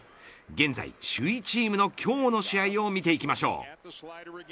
現在、首位チームの今日の試合を見ていきましょう。